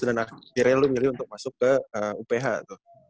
dan akhirnya lo mirip untuk masuk ke uph tuh